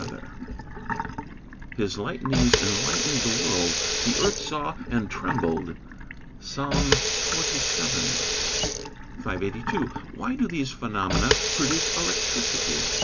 [Verse: "His lightnings enlightened the world: the earth saw and trembled." PSALM XCVII.] 582. _Why do these phenomena produce electricity?